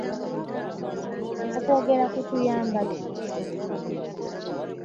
Okwogera kutuyamba ki?